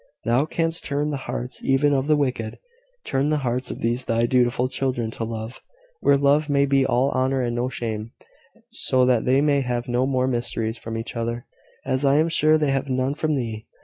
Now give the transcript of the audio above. Thou canst turn the hearts even of the wicked: turn the hearts of these thy dutiful children to love, where love may be all honour and no shame, so that they may have no more mysteries from each other, as I am sure they have none from thee.